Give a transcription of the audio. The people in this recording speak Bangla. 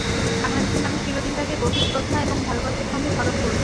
বাংলাদেশের মানুষ চিরদিন তাঁকে গভীর শ্রদ্ধা এবং ভালোবাসার সঙ্গে স্মরণ করবে।